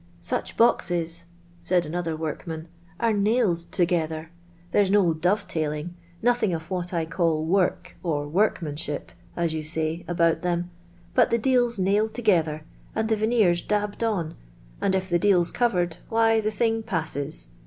'Such loxes,' said another workman, ' are nailed together ; tht re "s no dove tailing, nothing of w hat I caU .:\ r.< . cr WL>rkmanship, as you sax , au i;: ihi in, but t:;e deal *s nailed tc geiher, and the veneer *s dabbed en, and it the deal 's covered, why tho thiiu' pa£>ei.